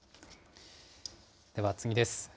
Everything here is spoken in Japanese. では次です。